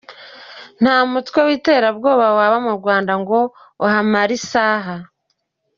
Nta mumutwe witerabwoba waza mu Rwanda ngo uhamare isaha